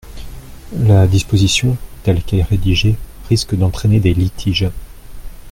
La disposition, telle qu’elle est rédigée, risque d’entraîner des litiges.